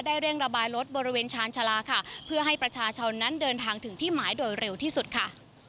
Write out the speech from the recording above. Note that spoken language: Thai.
เร่งระบายรถบริเวณชาญชาลาค่ะเพื่อให้ประชาชนนั้นเดินทางถึงที่หมายโดยเร็วที่สุดค่ะ